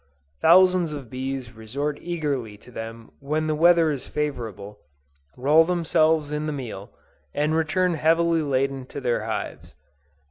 Thousands of bees resort eagerly to them when the weather is favorable, roll themselves in the meal, and return heavily laden to their hives.